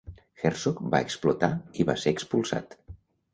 Herzog va explotar i va ser expulsat.